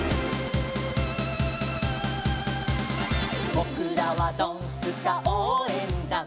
「ぼくらはドンスカおうえんだん」